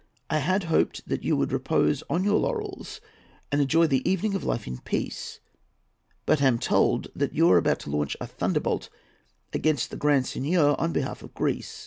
I had hoped that you would repose on your laurels and enjoy the evening of life in peace, but am told that you are about to launch a thunderbolt against the Grand Seignior on behalf of Greece.